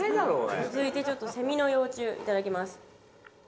続いてセミの幼虫いただきます。